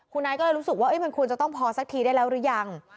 คุณไอซ์ก็เลยรู้สึกว่ามันควรจะต้องพอสักทีได้แล้วหรือยัง